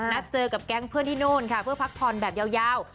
นัดเจอกับแก๊งเพื่อนที่นู่นค่ะเพื่อพักผ่อนแบบยาว